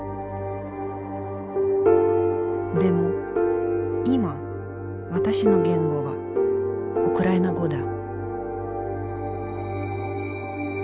でも今私の言語はウクライナ語だ。